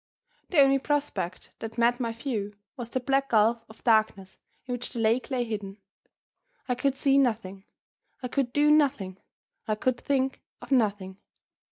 The only prospect that met my view was the black gulf of darkness in which the lake lay hidden. I could see nothing; I could do nothing; I could think of nothing.